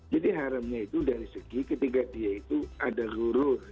jadi haramnya itu dari segi ketika dia itu ada lurur